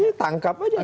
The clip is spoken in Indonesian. ya tangkap aja